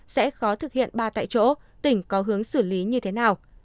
sẽ khó thực hiện ba tại chỗ tỉnh có hướng xử lý như thế nào